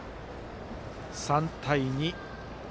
３対２。